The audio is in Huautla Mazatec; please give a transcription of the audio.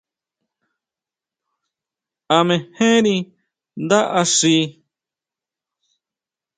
¿A mejenri ndá axi?